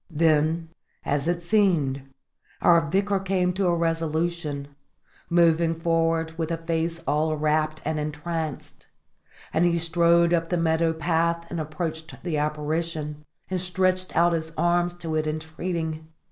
Then, as it seemed, our Vicar came to a resolution, moving forward with a face all wrapt and entranced; and he strode up the meadow path and approached the apparition, and stretched out his arms to it entreating.